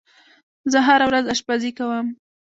زه هره ورځ آشپزی کوم.